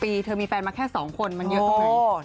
ปีเธอมีแฟนมาแค่๒คนมันเยอะตรงไหน